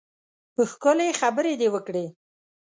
ښکلې خبرې دې وکړې.